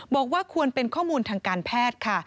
บอกว่าควรเป็นข้อมูลทางการแพทย์ค่ะ